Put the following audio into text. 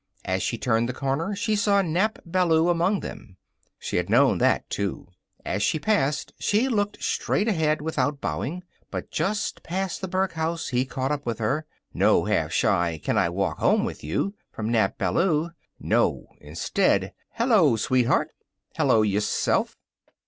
As she turned the corner she saw Nap Ballou among them. She had known that, too. As she passed she looked straight ahead, without bowing. But just past the Burke House he caught up with her. No half shy "Can I walk home with you?" from Nap Ballou. No. Instead: "Hello, sweetheart!" "Hello, yourself."